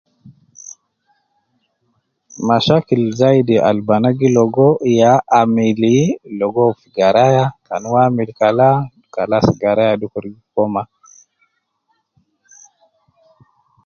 Mashakil zaidi al bana gi logo yaa amili logo uwo fi garaya ,kan uwo amili kala, kalas garaya dukur gi koma